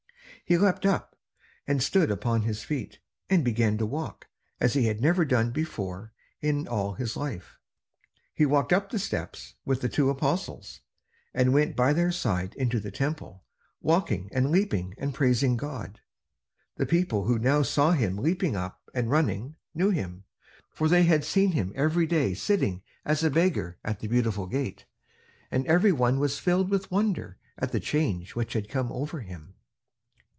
He leaped up, and stood upon his feet, and began to walk, as he had never done before in all his life. He walked up the steps with the two apostles, and went by their side into the Temple, walking, and leaping, and praising God. The people who now saw him leaping up and running knew him, for they had seen him every day sitting as a beggar at the Beautiful Gate: and every one was filled with wonder at the change which had come over him.